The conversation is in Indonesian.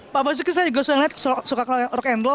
pak basuki saya juga suka nge read suka rock and roll